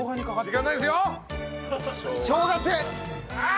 時間ないですよ。